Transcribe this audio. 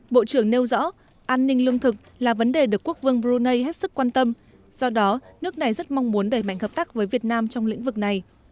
bộ trưởng nêu rõ an ninh lương thực là vấn đề được quốc vương brunei hết sức quan tâm do đó nước này rất mong muốn đẩy mạnh hợp tác với việt nam trong lĩnh vực này